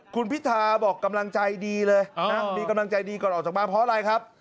คุณพิธาบอกกำลังใจดีเลยมีกำลังใจดีก่อนออกจากบ้านเพราะอะไรครับ